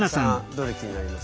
どれ気になります？